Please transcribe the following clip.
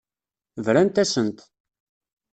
Brant-asent.